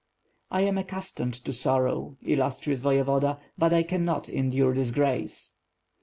"I am accustomed to sorrow, illustrious Voyevoda, but I cannot endure disgrace."